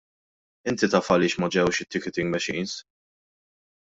Inti taf għaliex ma ġewx it-ticketing machines.